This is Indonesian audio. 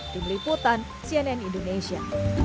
dumliputan cnn indonesia